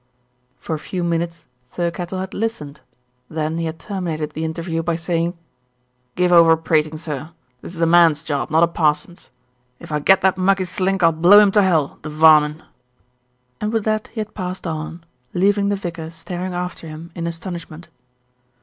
For a few minutes Thirkettle had listened, then he had terminated the interview by saying, "Give over prating, sir. This is a man's job, not a parson's. If I get that mucky slink, I'll blow him to hell, the varmen," and with that he had passed on, leaving the vicar staring after him in astonishment.